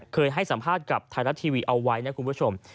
เคยให้สัมภาษณ์กับไทยรัฐทีวีเอาไว้นะคุณผู้ชม